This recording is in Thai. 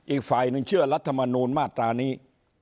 อีกฝ่ายหนึ่งเชื่อรัฐมนูลมาตรานี้